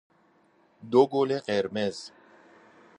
دو گل قرمز